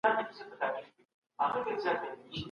په ټولنه کې د خیر لامل شئ.